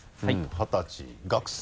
二十歳学生？